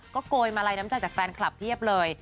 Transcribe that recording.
โกยมาลัยน้ำใจจากแฟนคลับเพียบเลย